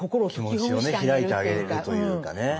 気持ちを開いてあげるというかね。